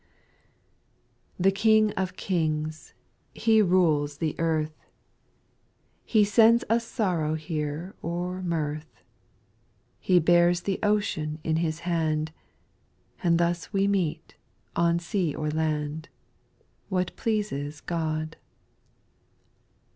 5. The King of kings, He rules the earth, He sends us sorrow here or mirth, He bears the ocean in His hand ;^ And thus we meet, on sea or land, What pleases God.